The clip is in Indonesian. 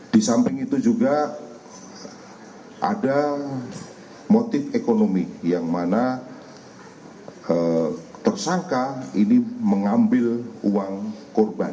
di samping itu juga ada motif ekonomi yang mana tersangka ini mengambil uang korban